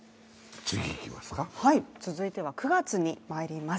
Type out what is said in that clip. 続いては９月にまいります。